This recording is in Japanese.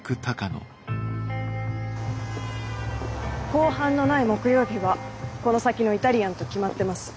公判のない木曜日はこの先のイタリアンと決まってます。